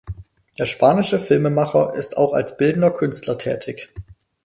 Der spanische Filmemacher ist auch als bildender Künstler tätig.